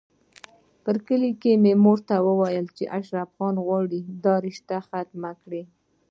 پري ګلې مور ته ويل چې اشرف خان غواړي دا رشته ختمه کړي